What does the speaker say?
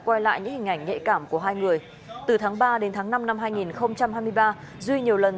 quay lại những hình ảnh nhạy cảm của hai người từ tháng ba đến tháng năm năm hai nghìn hai mươi ba duy nhiều lần